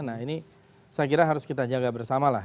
nah ini saya kira harus kita jaga bersamalah